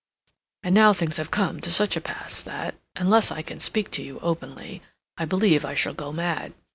"And now things have come to such a pass that, unless I can speak to you openly, I believe I shall go mad.